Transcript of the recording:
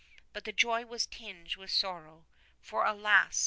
But the joy was tinged with sor row, for alas